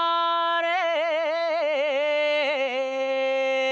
あれ？